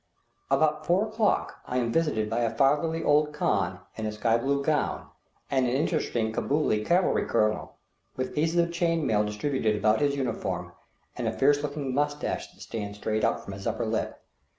About four o'clock I am visited by a fatherly old khan in a sky blue gown, and an interesting Cabooli cavalry colonel, with pieces of chain mail distributed about his uniform, and a fierce looking moustache that stands straight out from his upper lip.